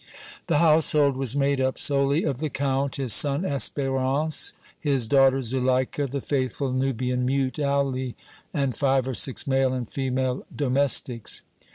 The household was made up solely of the Count, his son Espérance, his daughter Zuleika, the faithful Nubian mute Ali and five or six male and female domestics.